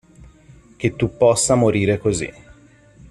Che tu possa morire così.